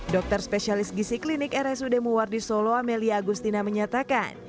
dokter spesialis gisi klinik rsud muwardi solo amelia agustina menyatakan